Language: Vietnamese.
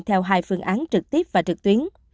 theo hai phương án trực tiếp và trực tuyến